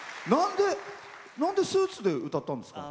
なんでスーツで歌ったんですか？